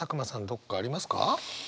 どっかありますか？